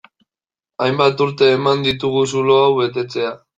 Hainbat urte eman ditugu zulo hau betetzea.